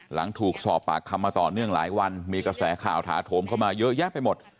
หลังถูกสอบปากคำมาต่อเนื่องหลายวันมีกระแสข่าวถาโถมเข้ามาเยอะแยะไปหมด